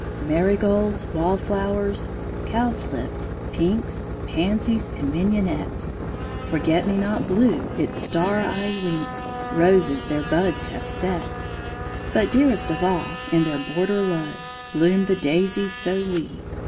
Marigolds, wallflowers, cowslips, pinks, Pansies, and mignonette! Forget me not blue its star eye winks; Roses their buds have set. But dearest of all, in their border low, Bloom the daisies so wee.